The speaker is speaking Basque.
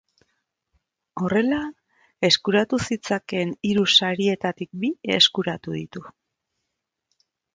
Horrela, eskuratu zitzakeen hiru sarietatik bi eskuratu ditu.